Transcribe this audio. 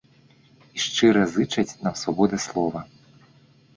І шчыра зычаць нам свабоды слова.